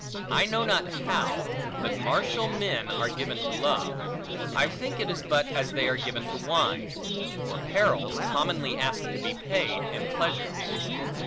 I know not how, but martial men are given to love: I think, it is but as they are given to wine; for perils commonly ask to be paid in pleasures.